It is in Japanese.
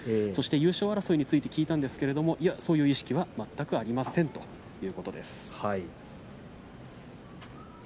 そして優勝争いについて聞いたんですが、そういう意識は全くありませんということです。